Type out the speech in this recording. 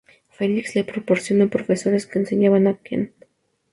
Felix le proporcionó profesores que enseñaban en Kent.